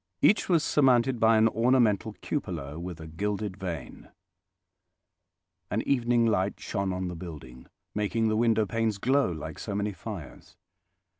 Each was surmounted by an ornamental cupola with a gilded vane. An evening light shone on the building, making the window panes glow like so many fires.